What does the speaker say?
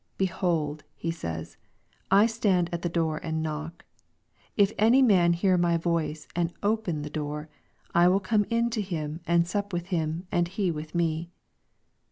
" Behold," He says, " I stand at the I door and knock ; if any man hear my voice and open the door, I will come in to him and sup with him and he with me."